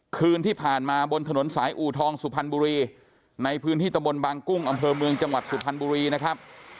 คืนที่ผ่านมาบนถนนสายอูทองสุพรรณบุรีในพื้นที่ตะบนบางกุ้งอำเภอเมืองจังหวัดสุพรรณบุรีนะครับ